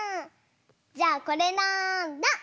じゃあこれなんだ？